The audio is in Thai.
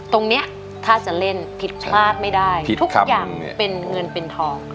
ตรงนี้ถ้าจะเล่นผิดพลาดไม่ได้ทุกอย่างเป็นเงินเป็นทอง